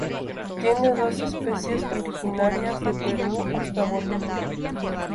Tiene dos especies originarias de Perú hasta Bolivia.